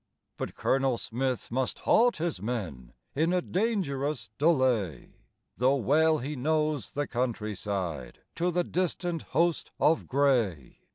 But Colonel Smith must halt his men In a dangerous delay, Though well he knows the countryside To the distant host of grey.